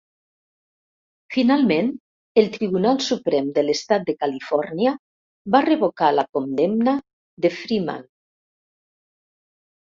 Finalment, el tribunal suprem de l'Estat de Califòrnia va revocar la condemna de Freeman.